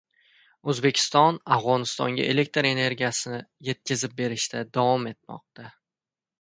O‘zbekiston Afg‘onistonga elektr energiyasi yetkazib berishda davom etmoqda